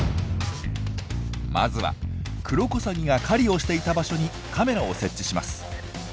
まずはクロコサギが狩りをしていた場所にカメラを設置します。